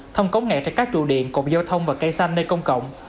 thông cống nghẹt trên các trụ điện cổng giao thông và cây xanh nơi công cộng